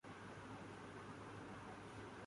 امید ہے کہ اب تک آپ بخوبی یہ سمجھ گئے ہوں گے